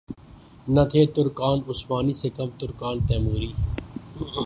نہ تھے ترکان عثمانی سے کم ترکان تیموری